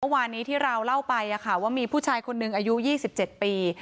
วานี้ที่เราเล่าไปว่ามีผู้ชายคนหนึ่งอายุ๒๗ปี